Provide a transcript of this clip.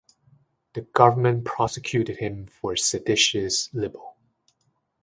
The government prosecuted him for seditious libel.